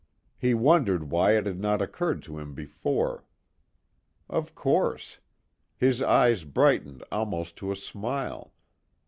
He wondered why it had not occurred to him before. Of course. His eyes brightened almost to a smile.